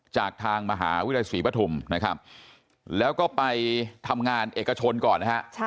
จากทางมหาวิทยาศาสตร์ศรีปะทุ่มแล้วก็ไปทำงานเอกชนก่อน